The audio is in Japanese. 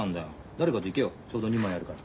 誰かと行けよちょうど２枚あるから。